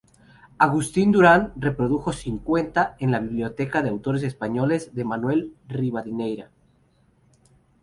Agustín Durán reprodujo cincuenta en la Biblioteca de Autores españoles de Manuel Rivadeneyra.